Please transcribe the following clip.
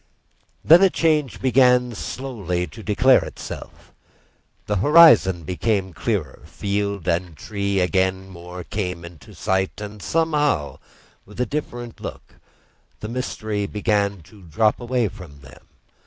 Then a change began slowly to declare itself. The horizon became clearer, field and tree came more into sight, and somehow with a different look; the mystery began to drop away from them.